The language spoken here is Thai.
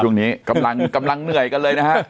ช่วงนี้กำลังเหนื่อยกันเลยนะฮะ